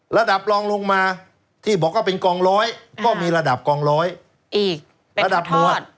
ระดับรองลงมาที่บอกว่าเป็นกองร้อยก็มีระดับกองร้อยอีกระดับหมวด